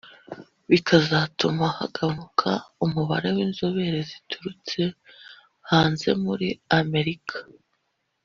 bikazatuma hagabanuka umubare w’inzobere ziturutse hanze muri Amerika